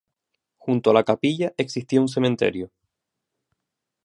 Junto a la capilla existía un cementerio.